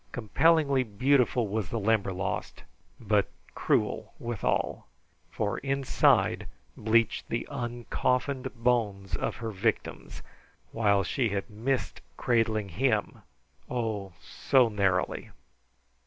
Compellingly beautiful was the Limberlost, but cruel withal; for inside bleached the uncoffined bones of her victims, while she had missed cradling him, oh! so narrowly.